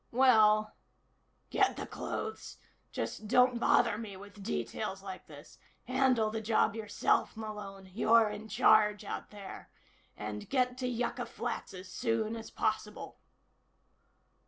"Well " "Get the clothes. Just don't bother me with details like this. Handle the job yourself, Malone you're in charge out there. And get to Yucca Flats as soon as possible."